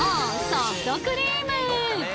ソフトクリーム！